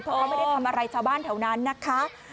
เพราะเขาไม่ได้ทำอะไรชาวบ้านแถวนั้นนะคะ